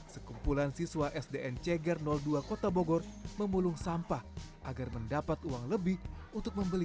sekumpulan siswa sdn ceger dua kota bogor memulung sampah agar mendapat uang lebih untuk membeli